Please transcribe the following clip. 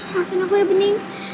maafin aku ya bening